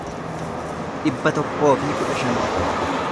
dhibba tokkoo fi kudha shan